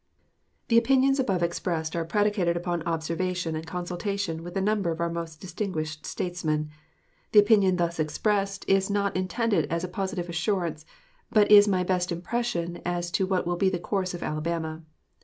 The opinions above expressed are predicated upon observation and consultation with a number of our most distinguished statesmen. The opinion thus expressed is not intended as a positive assurance, but is my best impression as to what will be the course of Alabama.